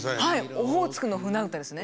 「オホーツクの舟唄」ですね。